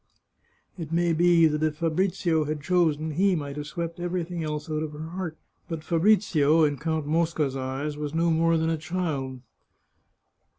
It may be that if Fabrizio had chosen he might have swept everything else out of her heart, but Fabrizio, in Count Mosca's eyes, was no more than a child.